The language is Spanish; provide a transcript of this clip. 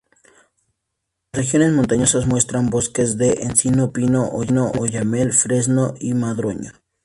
Las regiones montañosas muestran bosques de encino, pino, oyamel, fresno, y madroño.